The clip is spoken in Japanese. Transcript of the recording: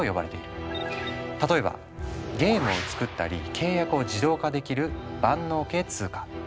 例えばゲームを作ったり契約を自動化できる万能系通貨。